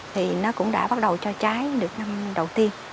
thì nó cũng đã bắt đầu cho trái được năm đầu tiên